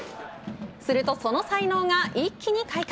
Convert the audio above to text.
するとその才能が一気に開花。